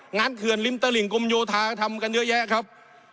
เขื่อนริมตลิ่งกรมโยธาทำกันเยอะแยะครับ